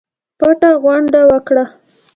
پټه غونډه وکړه.